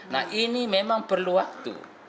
nah ini memang perlu waktu